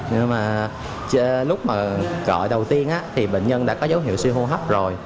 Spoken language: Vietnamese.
nhưng mà lúc mà gọi đầu tiên thì bệnh nhân đã có dấu hiệu suy hô hấp rồi